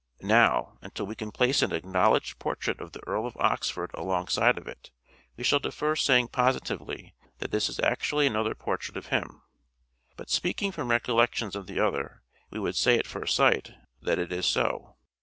Now, until we can place an acknowledged portrait of the Earl of Oxford alongside of it, we shall defer saying positively that this is actually another portrait of him ; but speaking from recollections of the other we would say at first sight that it is so.